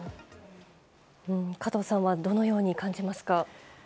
加藤さんはどのように感じますか。